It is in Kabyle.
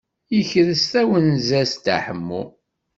Yekres tawenza-s Dda Ḥemmu.